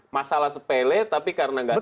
masalah sepele tapi karena nggak